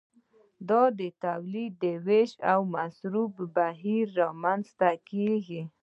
دا د تولید د ویش او مصرف په بهیر کې رامنځته کیږي.